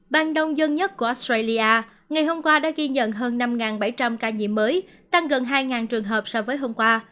bang đông dân nhất của australia ngày hôm qua đã ghi nhận hơn năm bảy trăm linh ca nhiễm mới tăng gần hai trường hợp so với hôm qua